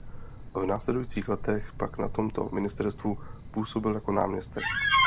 V následujících letech pak na tomto ministerstvu působil jako náměstek.